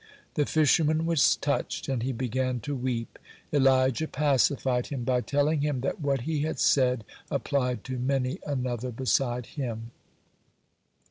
The fisherman was touched, and he began to weep. Elijah pacified him by telling him that what he had said applied to many another beside him.